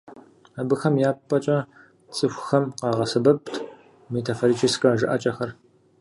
Абыхэм я пӏэкӏэ цӏыхухэм къагъэсэбэпт метафорическэ жыӏэкӏэхэр.